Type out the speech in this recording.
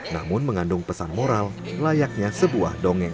namun mengandung pesan moral layaknya sebuah dongeng